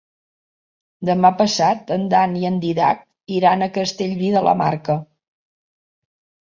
Demà passat en Dan i en Dídac iran a Castellví de la Marca.